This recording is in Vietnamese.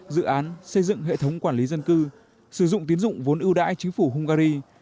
dự án xây dựng hệ thống quản lý dân cư sử dụng tiến dụng vốn ưu đãi chính phủ hungary